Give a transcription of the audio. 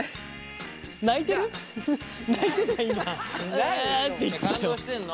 泣いてるの？